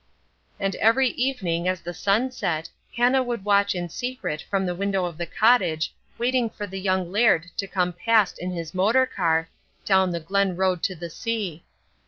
And every evening as the sun set Hannah would watch in secret from the window of the cottage waiting for the young Laird to come past in his motor car, down the Glen road to the sea.